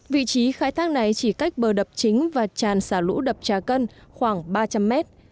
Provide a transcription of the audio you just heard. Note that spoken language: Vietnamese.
vị trí khai thác này chỉ cách bờ đập chính và tràn xả lũ đập trà cân khoảng ba trăm linh mét